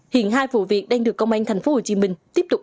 hiện hai vụ việc đang được công an thành phố hồ chí minh